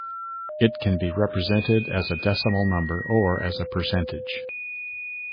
It can be represented as a decimal number or as a percentage.